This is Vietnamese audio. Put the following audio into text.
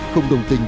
không đồng tình